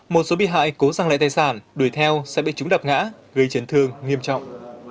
một số bị hại cố sang lại tài sản đuổi theo sẽ bị chúng đập ngã gây chấn thương nghiêm trọng